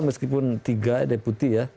meskipun tiga deputi ya